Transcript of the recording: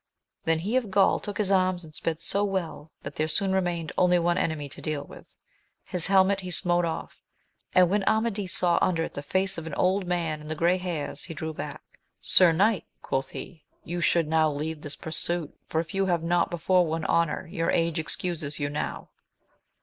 Then he of Gaul took his arms, and sped so well that there soon remained only one enemy to deal with ; his helmet he smote off, and when Amadis saw under it the face of an old man, and the grey tairs, Ve AwrwXi^^. ^sa 134 AMADIS OF GAUL. knight, qnoth he, you should now leave this pursuit, for if you have not before won honour, your age excuses you now.